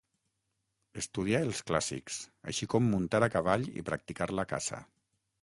Estudià els clàssics així com muntar a cavall i practicar la caça.